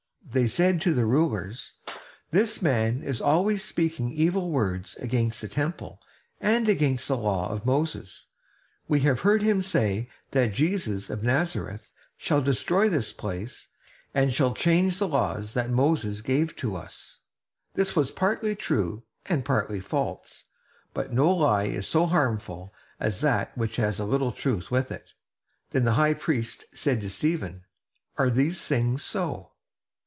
They said to the rulers: "This man is always speaking evil words against the Temple and against the law of Moses. We have heard him say that Jesus of Nazareth shall destroy this place, and shall change the laws that Moses gave to us!" This was partly true and partly false; but no lie is so harmful as that which has a little truth with it. Then the high priest said to Stephen: "Are these things so?"